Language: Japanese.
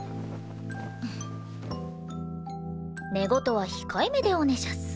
寝言は控えめでおねしゃす。